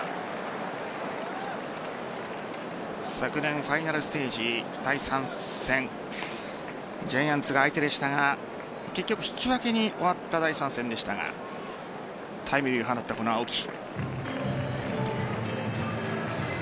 昨年ファイナルステージ第３戦ジャイアンツが相手でしたが結局引き分けに終わった第３戦でしたがタイムリーを放ったこの青木。